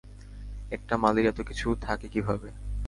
একটা মালীর এতকিছু থাকে কীভাবে?